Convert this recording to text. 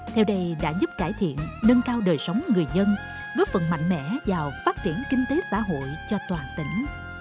theo đây đã giúp cải thiện nâng cao đời sống người dân góp phần mạnh mẽ vào phát triển kinh tế xã hội cho toàn tỉnh